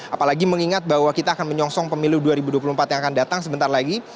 apalagi mengingat bahwa kita akan menyongsong pemilu dua ribu dua puluh empat yang akan datang sebentar lagi